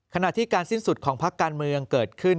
ขณะที่การสิ้นสุดของพักการเมืองเกิดขึ้น